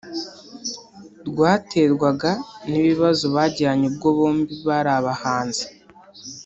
rwaterwaga n’ibibazo bagiranye ubwo bombi bari abahanzi